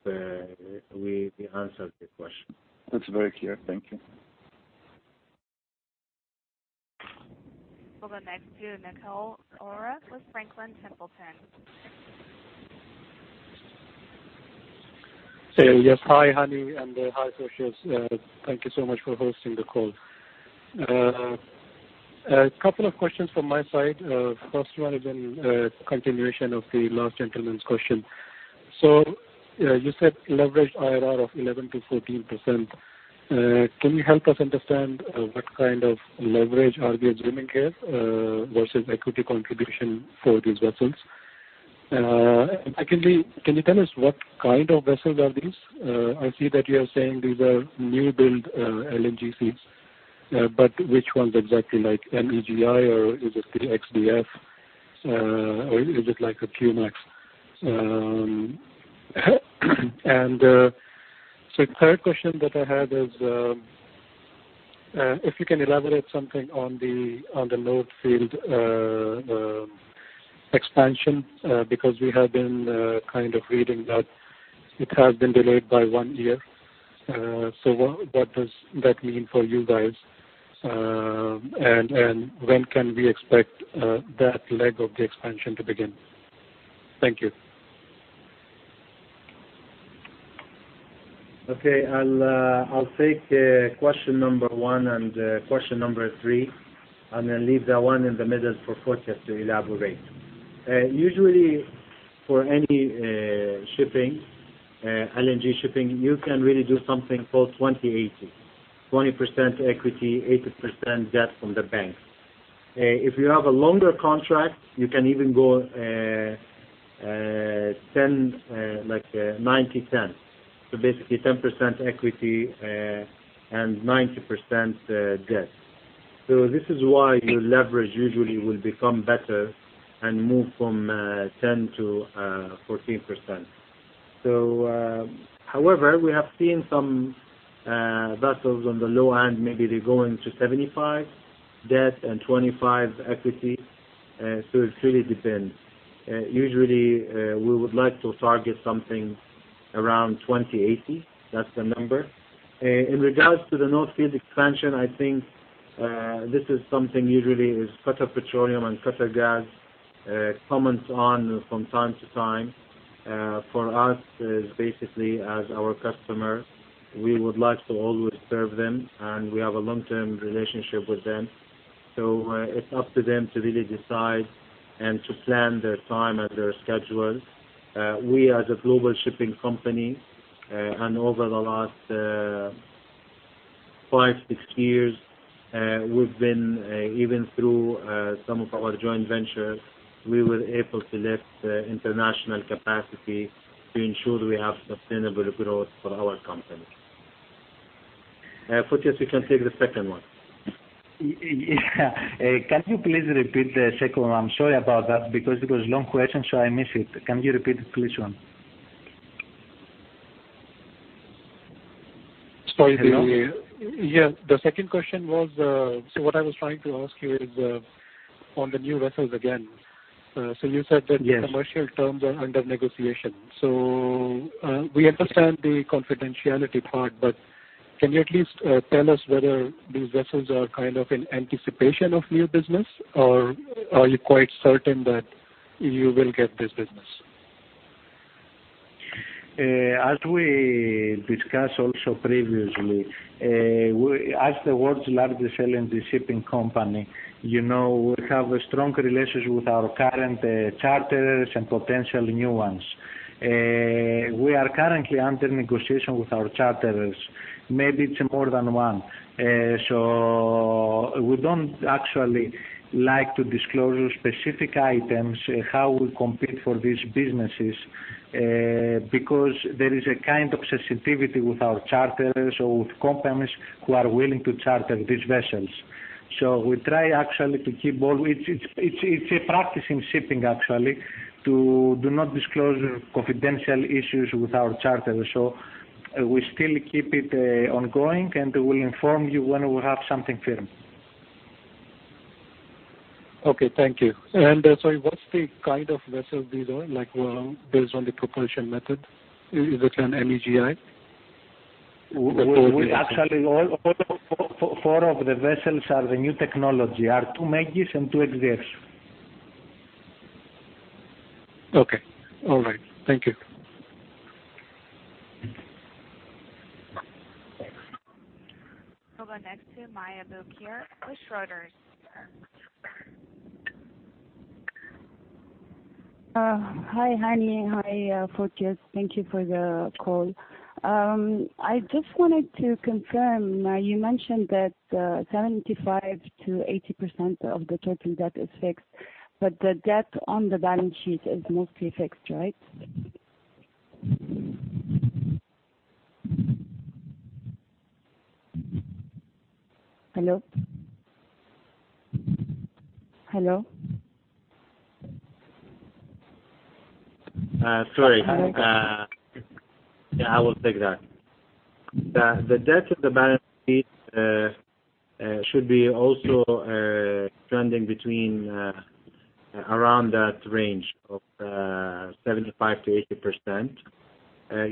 we answered your question. That's very clear. Thank you. We'll go next to Nikhil Arora with Franklin Templeton. Hi, Hani, and hi, Fotios. Thank you so much for hosting the call. A couple of questions from my side. First one has been a continuation of the last gentleman's question. You said leverage IRR of 11%-14%. Can you help us understand what kind of leverage are we assuming here versus equity contribution for these vessels? Secondly, can you tell us what kind of vessels are these? I see that you are saying these are new build LNG ships. Which ones exactly, like MEGI, or is it the X-DF? Or is it like a Q-Max? Third question that I had is, if you can elaborate something on the North Field expansion, because we have been kind of reading that it has been delayed by one year. What does that mean for you guys? When can we expect that leg of the expansion to begin? Thank you. Okay. I'll take question number one and question number three, then leave the one in the middle for Fotios to elaborate. Usually, for any shipping, LNG shipping, you can really do something called 20/80, 20% equity, 80% debt from the bank. If you have a longer contract, you can even go 90:10. Basically 10% equity and 90% debt. This is why your leverage usually will become better and move from 10%-14%. However, we have seen some vessels on the low end, maybe they're going to 75 debt and 25 equity. It really depends. Usually, we would like to target something around 20/80. That's the number. In regards to the North Field expansion, I think this is something usually is Qatar Petroleum and Qatar Gas comment on from time to time. For us, as basically as our customer, we would like to always serve them, and we have a long-term relationship with them. It's up to them to really decide and to plan their time and their schedules. We, as a global shipping company, and over the last five, six years, even through some of our joint ventures, we were able to lift international capacity to ensure we have sustainable growth for our company. Fotios, you can take the second one. Can you please repeat the second one? I am sorry about that because it was a long question, I missed it. Can you repeat it, please, Juan? Sorry. Hello? The second question was, what I was trying to ask you is on the new vessels again. You said that- Yes The commercial terms are under negotiation. We understand the confidentiality part, can you at least tell us whether these vessels are kind of in anticipation of new business, or are you quite certain that you will get this business? As we discussed also previously, as the world's largest LNG shipping company, we have strong relations with our current charterers and potential new ones. We are currently under negotiation with our charterers. Maybe it is more than one. We do not actually like to disclose specific items, how we compete for these businesses, because there is a kind of sensitivity with our charterers or with companies who are willing to charter these vessels. It is a practice in shipping, actually, to do not disclose confidential issues with our charterers. We still keep it ongoing, we will inform you when we have something firm. Okay. Thank you. Sorry, what's the kind of vessels these are? Based on the propulsion method. Is it an MEGI? Actually, four of the vessels are the new technology. Are two MEGI and two X-DFs. Okay. All right. Thank you. We'll go next to Maya Berkier with Schroders. Hi, Hani. Hi, Fotios. Thank you for the call. I just wanted to confirm, you mentioned that 75%-80% of the total debt is fixed. The debt on the balance sheet is mostly fixed, right? Hello? Hello? Sorry. Yeah, I will take that. The debt of the balance sheet should be also trending between around that range of 75%-80%.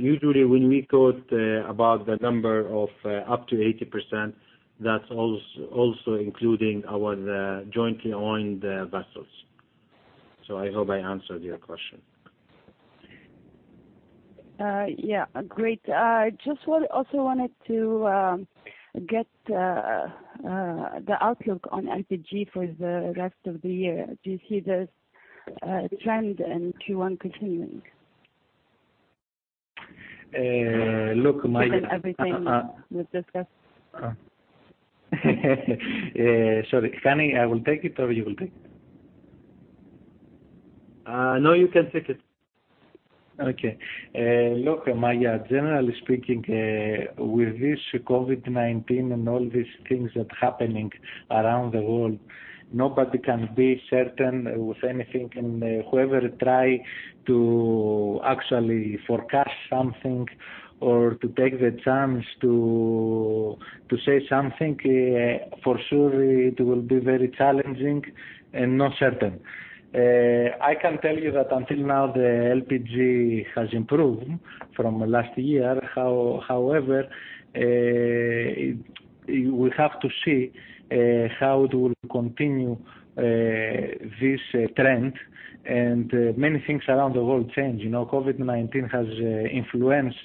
Usually, when we quote about the number of up to 80%, that is also including our jointly owned vessels. I hope I answered your question. Yeah. Great. Just also wanted to get the outlook on LPG for the rest of the year. Do you see this trend in Q1 continuing? Look, Maya. Given everything we've discussed. Sorry. Hani, I will take it, or you will take it? No, you can take it. Okay. Look, Maya, generally speaking, with this COVID-19 and all these things that happening around the world, nobody can be certain with anything. Whoever try to actually forecast something or to take the chance to say something, for sure, it will be very challenging and not certain. I can tell you that until now, the LPG has improved from last year. However, we have to see how it will continue this trend, and many things around the world change. COVID-19 has influenced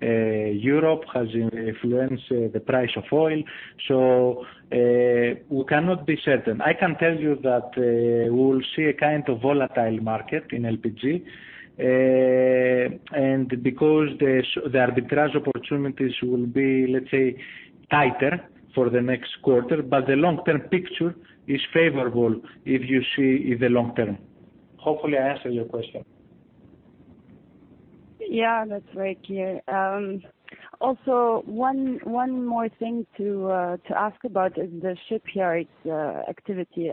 Europe, has influenced the price of oil, we cannot be certain. I can tell you that we will see a kind of volatile market in LPG, and because the arbitrage opportunities will be, let's say, tighter for the next quarter, but the long-term picture is favorable if you see in the long term. Hopefully, I answered your question. Yeah, that's very clear. Also, one more thing to ask about is the shipyard's activity.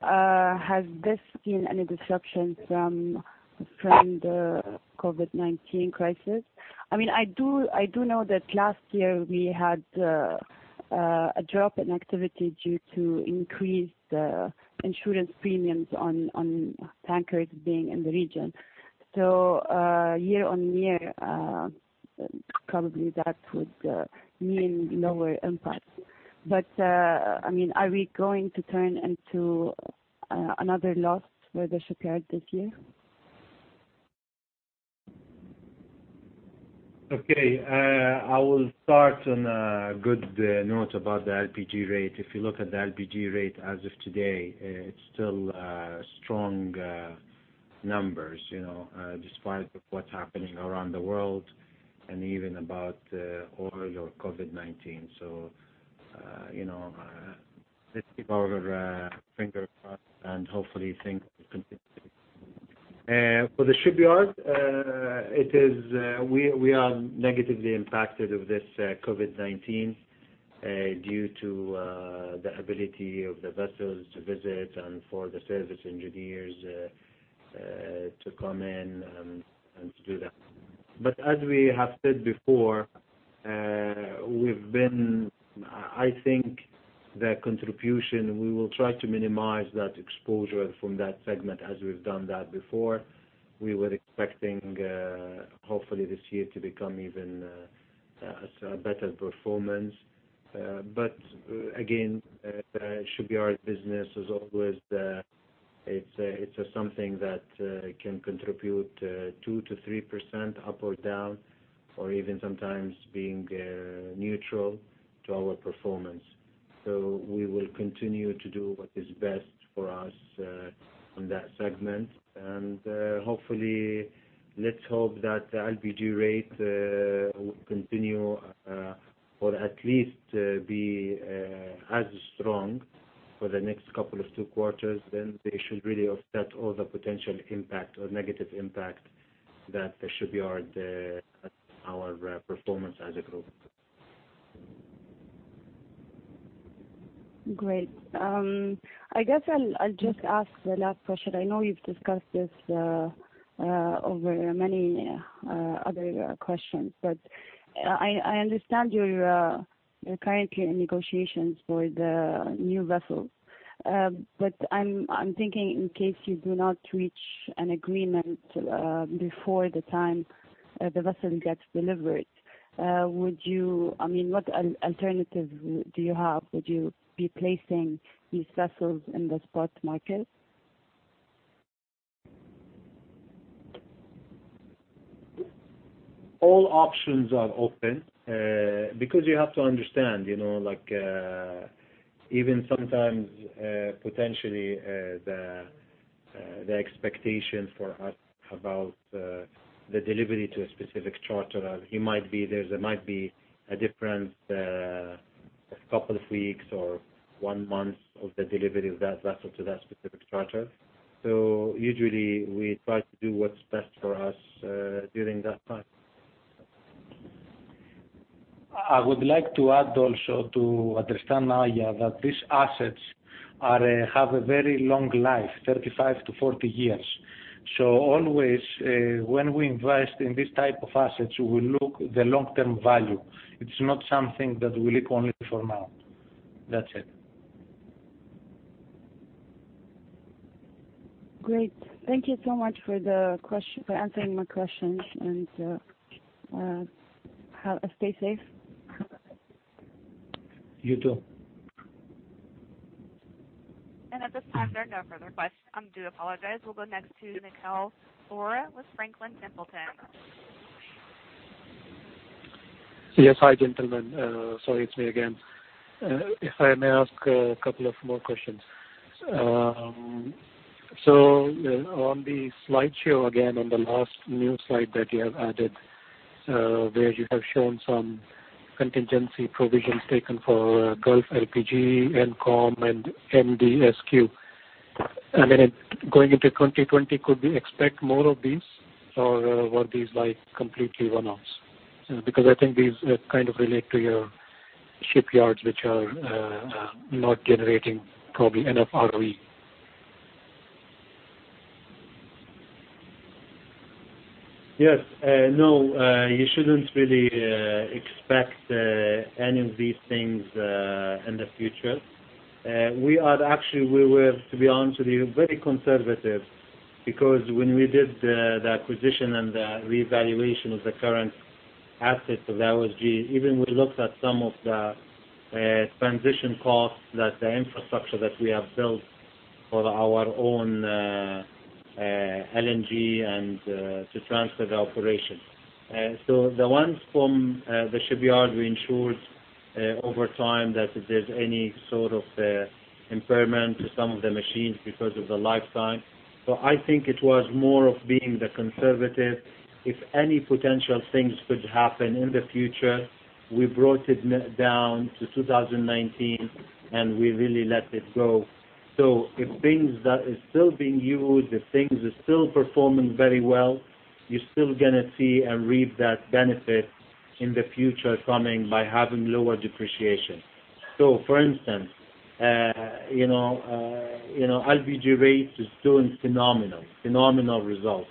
Has this seen any disruptions from the COVID-19 crisis? I do know that last year we had a drop in activity due to increased insurance premiums on tankers being in the region. Year-on-year, probably that would mean lower impact. Are we going to turn into another loss for the shipyard this year? Okay. I will start on a good note about the LPG rate. If you look at the LPG rate as of today, it's still strong numbers, despite what's happening around the world and even about oil or COVID-19. Let's keep our fingers crossed and hopefully things will continue. For the shipyard, we are negatively impacted with this COVID-19 due to the ability of the vessels to visit and for the service engineers to come in and to do that. As we have said before, I think the contribution, we will try to minimize that exposure from that segment as we've done that before. We were expecting, hopefully this year to become even a better performance. Again, shipyard business as always, it's something that can contribute 2%-3% up or down, or even sometimes being neutral to our performance. We will continue to do what is best for us in that segment. Hopefully, let's hope that the LPG rate will continue, or at least be as strong for the next couple of two quarters, they should really offset all the potential impact or negative impact that the shipyard, our performance as a group. Great. I guess I'll just ask the last question. I know you've discussed this over many other questions, but I understand you're currently in negotiations for the new vessel. I'm thinking in case you do not reach an agreement before the time the vessel gets delivered, what alternative do you have? Would you be placing these vessels in the spot market? All options are open. You have to understand, even sometimes, potentially, the expectation for us about the delivery to a specific charterer, there might be a difference a couple of weeks or one month of the delivery of that vessel to that specific charter. Usually we try to do what's best for us during that time. I would like to add also to understand, Aya, that these assets have a very long life, 35-40 years. Always, when we invest in this type of assets, we look the long-term value. It's not something that we look only for now. That's it. Great. Thank you so much for answering my questions, and stay safe. You, too. At this time, there are no further questions. I do apologize. We'll go next to Nikhil Arora with Franklin Templeton. Yes. Hi, gentlemen. Sorry, it's me again. If I may ask a couple of more questions. On the slideshow again, on the last new slide that you have added, where you have shown some contingency provisions taken for Gulf LPG, N-KOM, and NDSQ. Then going into 2020, could we expect more of these or were these like completely one-offs? I think these kind of relate to your shipyards, which are not generating probably enough ROE. Yes. No, you shouldn't really expect any of these things in the future. Actually, we were, to be honest with you, very conservative because when we did the acquisition and the revaluation of the current assets of OSG, even we looked at some of the transition costs that the infrastructure that we have built for our own LNG and to transfer the operation. The ones from the shipyard, we ensured over time that if there's any sort of impairment to some of the machines because of the lifetime. I think it was more of being the conservative If any potential things could happen in the future, we brought it down to 2019, and we really let it go. If things are still being used, if things are still performing very well, you're still going to see and reap that benefit in the future coming by having lower depreciation. For instance, LPG rate is doing phenomenal results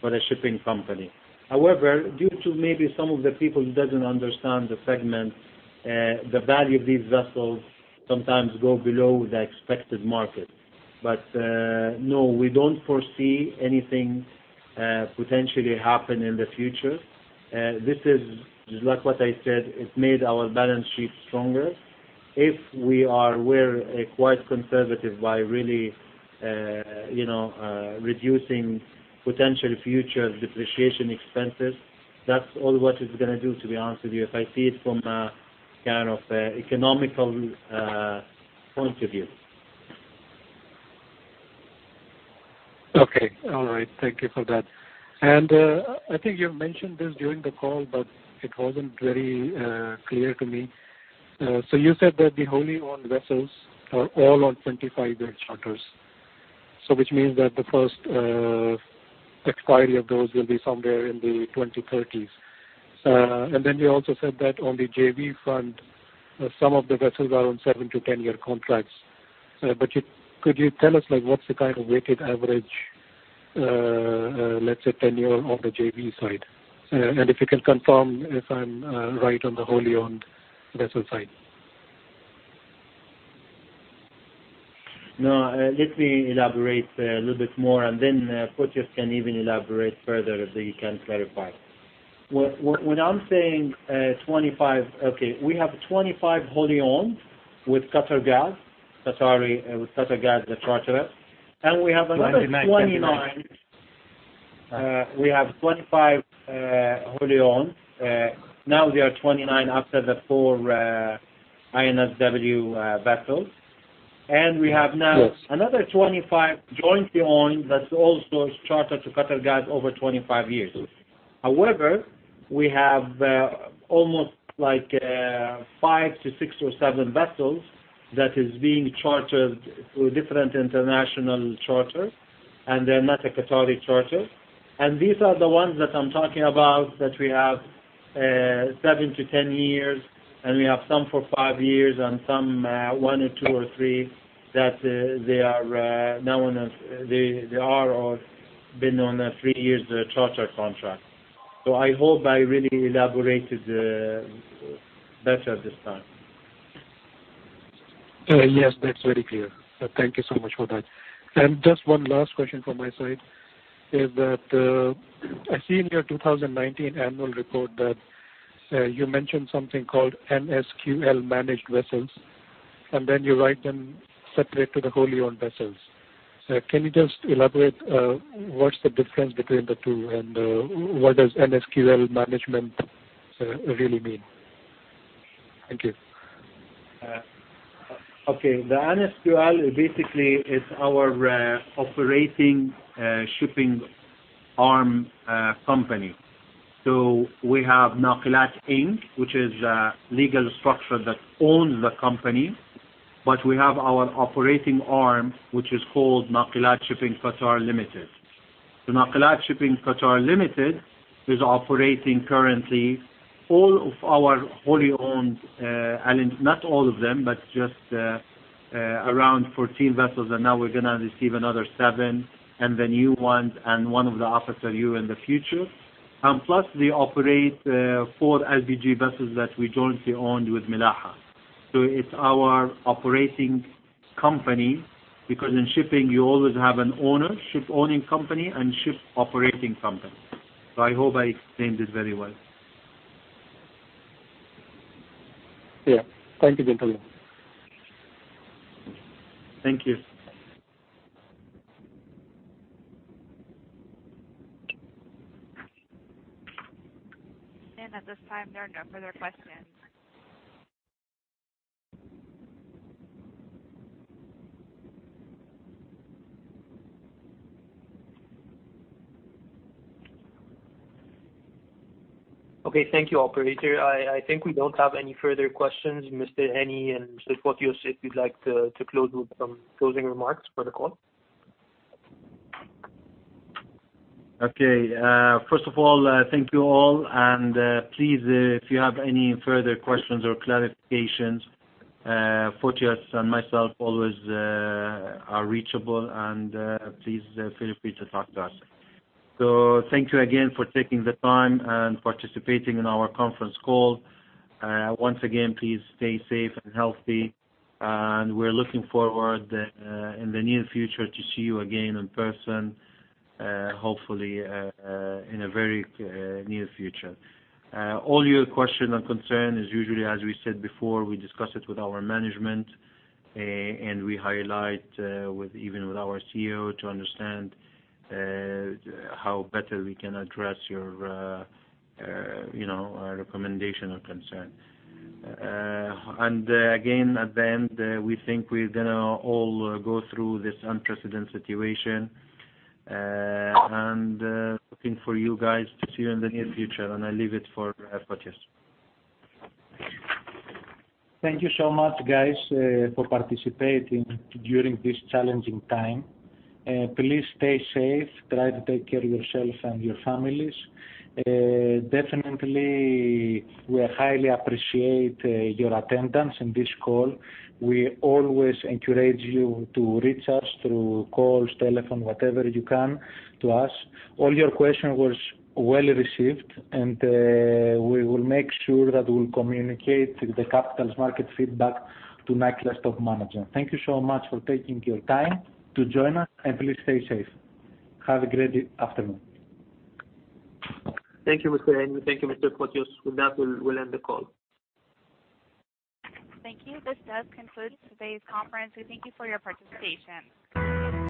for the shipping company. However, due to maybe some of the people who doesn't understand the segment, the value of these vessels sometimes go below the expected market. No, we don't foresee anything potentially happen in the future. This is like what I said, it made our balance sheet stronger. If we were quite conservative by really reducing potential future depreciation expenses, that's all what it's going to do, to be honest with you, if I see it from a kind of economical point of view. Okay. All right. Thank you for that. I think you've mentioned this during the call, but it wasn't very clear to me. You said that the wholly-owned vessels are all on 25-year charters. Which means that the first expiry of those will be somewhere in the 2030s. Then you also said that on the JV front, some of the vessels are on 7 to 10-year contracts. Could you tell us what's the kind of weighted average, let's say, tenure on the JV side? If you can confirm if I'm right on the wholly-owned vessel side. No, let me elaborate a little bit more. Then Fotios can even elaborate further so you can clarify. When I'm saying 25, okay, we have 25 wholly owned with QatarEnergy LNG, Qatari with QatarEnergy LNG, the charterer. We have another 29- 29. We have 25 wholly owned. Now there are 29 after the four INSW vessels. We have now- Yes another 25 jointly owned that also is chartered to QatarEnergy LNG over 25 years. However, we have almost five to six or seven vessels that is being chartered through different international charter. They're not a Qatari charter. These are the ones that I'm talking about that we have 7 to 10 years. We have some for five years and some, one or two or three, that they are or been on a three-year charter contract. I hope I really elaborated better this time. Yes, that's very clear. Thank you so much for that. Just one last question from my side is that I see in your 2019 annual report that you mentioned something called NSQL Managed Vessels, then you write them separate to the wholly-owned vessels. Can you just elaborate what's the difference between the two and what does NSQL management really mean? Thank you. Okay. The NSQL basically is our operating shipping arm company. We have Nakilat Inc, which is a legal structure that owns the company, we have our operating arm, which is called Nakilat Shipping Qatar Limited. The Nakilat Shipping Qatar Limited is operating currently all of our wholly-owned, not all of them, but just around 14 vessels, and now we're going to receive another seven and the new ones and one of the FSRU in the future. Plus we operate four LPG vessels that we jointly owned with Milaha. It's our operating company because in shipping you always have an owner, ship owning company, and ship operating company. I hope I explained it very well. Yeah. Thank you, gentlemen. Thank you. At this time, there are no further questions. Okay. Thank you, operator. I think we don't have any further questions. Mr. Hani and Mr. Fotios, if you'd like to close with some closing remarks for the call. Okay. First of all, thank you all and please, if you have any further questions or clarifications, Fotios and myself always are reachable and please feel free to talk to us. Thank you again for taking the time and participating in our conference call. Once again, please stay safe and healthy, and we're looking forward in the near future to see you again in person, hopefully, in a very near future. All your question and concern is usually, as we said before, we discuss it with our management, and we highlight even with our CEO to understand how better we can address your recommendation or concern. Again, at the end, we think we're going to all go through this unprecedented situation, and hoping for you guys to see you in the near future. I leave it for Fotios. Thank you so much, guys, for participating during this challenging time. Please stay safe. Try to take care of yourself and your families. Definitely, we highly appreciate your attendance in this call. We always encourage you to reach us through calls, telephone, whatever you can to us. All your question was well received, and we will make sure that we'll communicate the capital's market feedback to Nakilat top management. Thank you so much for taking your time to join us and please stay safe. Have a great afternoon. Thank you, Mr. Hani. Thank you, Mr. Fotios. With that, we'll end the call. Thank you. This does conclude today's conference. We thank you for your participation.